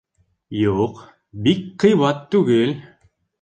Юҡ, бик ҡыйбат түгел